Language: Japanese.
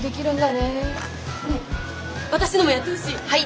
ねっ私のもやってほしい！